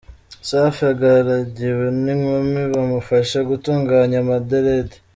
Safi agaragiwe n’inkumi bamufashe gutunganya amaderedi.